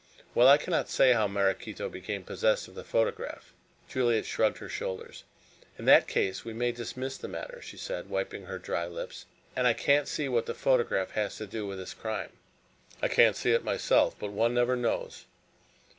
"Well, I cannot say how Maraquito became possessed of this photograph." Juliet shrugged her shoulders. "In that case we may dismiss the matter," she said, wiping her dry lips; "and I can't see what the photograph has to do with this crime." "I can't see it myself, but one never knows."